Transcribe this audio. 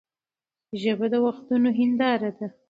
ژبه د وختونو هنداره ده.